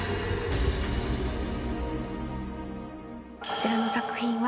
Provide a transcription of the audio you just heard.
こちらの作品は。